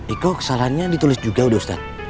eh kok kesalahannya ditulis juga udah ustaz